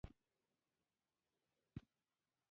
• دا دوره د ښاري نفوس د زیاتوالي شاهده وه.